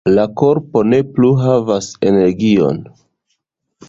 La korpo ne plu havas energion